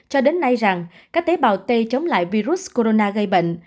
hay rằng các tế bào t chống lại virus corona gây bệnh